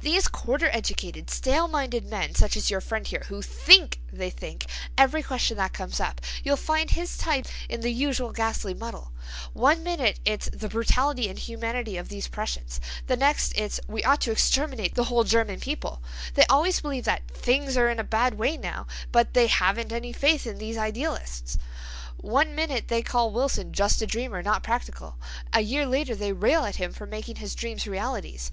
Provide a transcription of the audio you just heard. "These quarter educated, stale minded men such as your friend here, who think they think, every question that comes up, you'll find his type in the usual ghastly muddle. One minute it's 'the brutality and inhumanity of these Prussians'—the next it's 'we ought to exterminate the whole German people.' They always believe that 'things are in a bad way now,' but they 'haven't any faith in these idealists.' One minute they call Wilson 'just a dreamer, not practical'—a year later they rail at him for making his dreams realities.